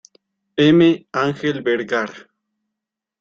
M. Angel Vergara.